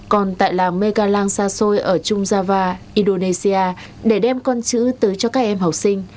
còn tại làng megalang sasoi ở chungjava indonesia để đem con chữ tới cho các em học sinh